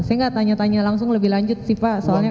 saya nggak tanya tanya langsung lebih lanjut sih pak soalnya